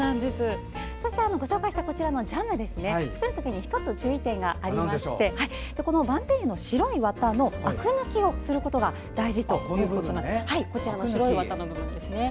そして、ご紹介したジャムですね作るときに１つ注意点がありましてばんぺいゆの白いワタのあく抜きをすることが大事ということなんです。